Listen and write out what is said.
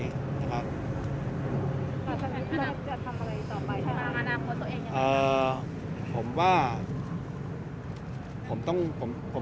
แล้วจะทำอะไรต่อไป